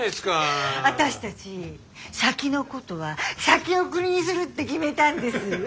私たち先のことは先送りにするって決めたんです。